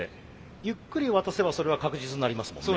ゆっくり渡せばそれは確実になりますもんね。